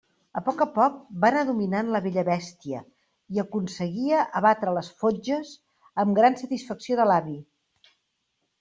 A poc a poc va anar dominant la vella bèstia i aconseguia abatre les fotges, amb gran satisfacció de l'avi.